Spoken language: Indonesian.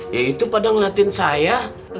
ya itu pada ngeliatin saya